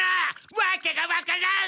わけがわからん！